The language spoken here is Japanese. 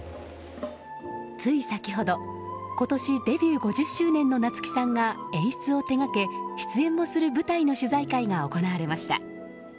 つい先ほど、今年デビュー５０周年の夏木さんが演出を手掛け出演もする舞台の取材会が行われました。